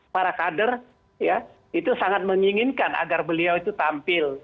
para kader ya itu sangat menginginkan agar beliau itu tampil